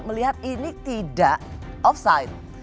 melihat ini tidak offside